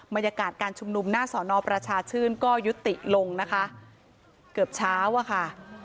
บรรยากาศการชุมนุมหน้าสอนอประชาชื่นก็ยุติลงนะคะเกือบเช้าอะค่ะ